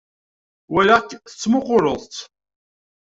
Walaɣ-k tettmuquleḍ-tt.